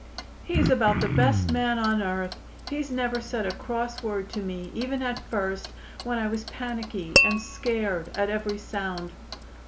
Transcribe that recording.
"He's about the best man on earth. He's never said a cross word to me even at first, when I was panicky and scared at every sound."